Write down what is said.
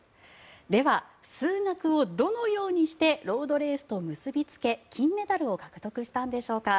では、数学をどのようにしてロードレースと結びつけ金メダルを獲得したんでしょうか。